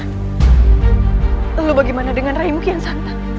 kau bagaimana dengan rai kiansah